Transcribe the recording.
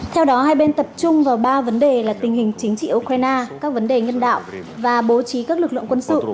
theo đó hai bên tập trung vào ba vấn đề là tình hình chính trị ukraine các vấn đề nhân đạo và bố trí các lực lượng quân sự